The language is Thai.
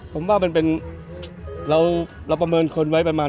ผมว่ามันเป็นเราประเมินคนไว้ประมาณ